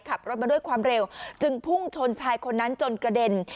ขับรถมาด้วยความเร็วจึงพุ่งชนชายคนนั้นจนกระเด็น